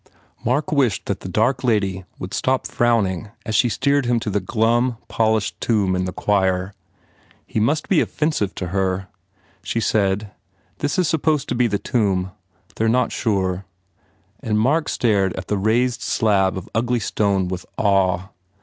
Mark wished that the dark lady would stop frowning as she steered him to the glum, polished tomb in the choir. He must be offensive to her. She said, "This is supposed to be the tomb. They re not sure," and Mark stared at the raised slab of ugly stone with awe.